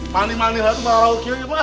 mandi mandi lihat kemana mana kemana mana